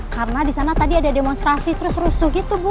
karena disana tadi ada demonstrasi terus rusuh gitu bu